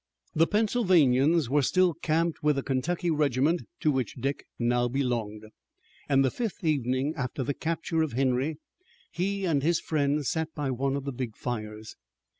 The Pennsylvanians were still camped with the Kentucky regiment to which Dick now belonged, and the fifth evening after the capture of Henry he and his friends sat by one of the big fires.